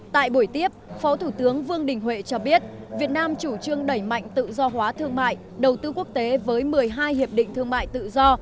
tại buổi tiếp phó thủ tướng vương đình huệ cho biết việt nam chủ trương đẩy mạnh tự do hóa thương mại đầu tư quốc tế với một mươi hai hiệp định thương mại tự do